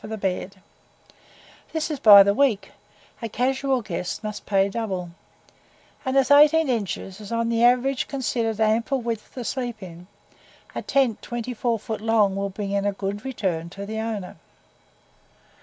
for the bed; this is by the week, a casual guest must pay double, and as 18 inches is on an average considered ample width to sleep in, a tent 24 feet long will bring in a good return to the owner.